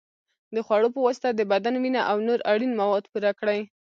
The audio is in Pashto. د خوړو په واسطه د بدن وینه او نور اړین مواد پوره کړئ.